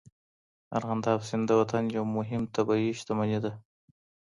ارغنداب سیند د وطن یو مهم طبیعي شتمني ده.